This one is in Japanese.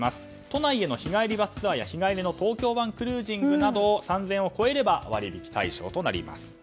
都内への日帰りバスツアーや日帰りの東京湾クルージングなど３０００円を超えれば割引対象となります。